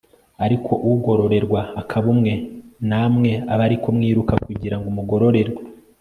ariko ugororerwa akaba umwe? namwe abe ari ko mwiruka kugira ngo mugororerwe